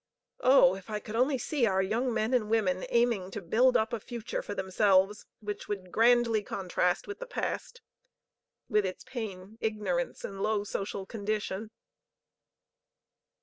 Oh, if I could only see our young men and women aiming to build up a future for themselves which would grandly contrast with the past with its pain, ignorance and low social condition."